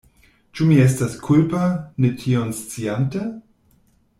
Ĉu mi estas kulpa, ne tion sciante?